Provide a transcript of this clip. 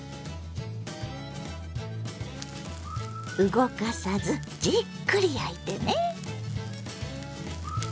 動かさずじっくり焼いてね。